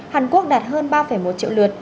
hàn quốc đạt hơn ba một triệu lượt